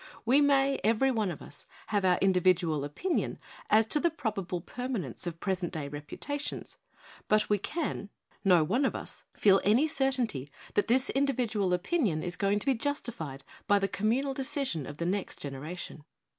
We may, every one of us, have our indi vidual opinion as to the probable permanence of present day reputations; but we tan, no one of 205 ON WORKING TOO MUCH AND WORKING TOO FAST us, feel any certainty that this individual opinion is going to be justified by the communal deci sion of the next generation.